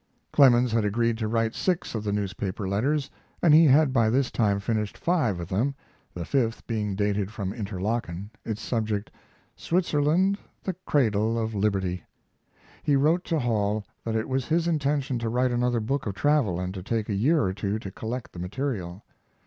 Clemens had agreed to write six of the newspaper letters, and he had by this time finished five of them, the fifth being dated from Interlaken, its subject, "Switzerland, the Cradle of Liberty." He wrote to Hall that it was his intention to write another book of travel and to take a year or two to collect the material.